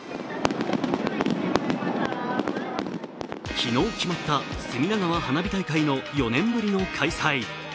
昨日決まった、隅田川花火大会の４年ぶりの開催。